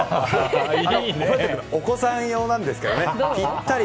お子さん用なんですけどね。ぴったり。